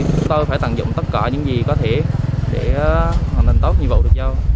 chúng tôi phải tận dụng tất cả những gì có thể để hoàn thành tốt nhiệm vụ được giao